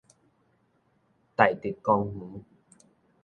大直公園